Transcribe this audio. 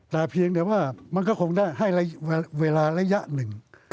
แต่เพียงแต่ว่ามันก็คงได้ให้ระยะเวลาระยะหนึ่ง